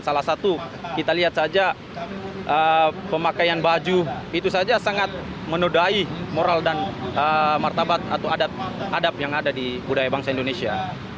salah satu kita lihat saja pemakaian baju itu saja sangat menodai moral dan martabat atau adat adab yang ada di budaya bangsa indonesia